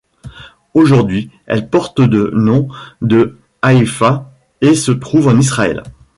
Aujourd'hui elle porte de nom de Haïfa et se trouve en Israël.